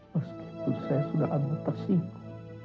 meskipun saya sudah tersinggung